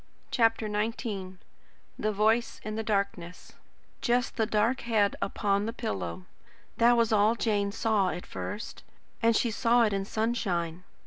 CHAPTER XIX THE VOICE IN THE DARKNESS Just the dark head upon the pillow. That was all Jane saw at first, and she saw it in sunshine.